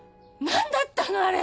何だったのあれ！